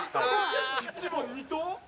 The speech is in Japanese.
・１問２答？